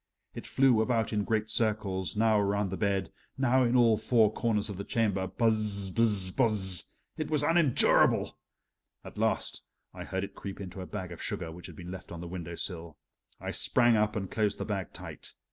It flew about in great circles, now around the bed, now in all four corners of the chamber "buzz buzz buzz" it was unendurable! At last I heard it creep into a bag of sugar which had been left on the window sill. I sprang up and closed the bag tight.